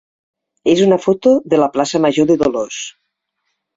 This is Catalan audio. és una foto de la plaça major de Dolors.